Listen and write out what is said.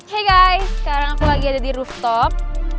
hey guys sekarang aku lagi ada di rooftop